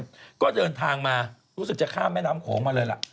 แล้วก็เดินทางมารู้สึกจะข้ามแม่น้ำโขงมาเลยล่ะ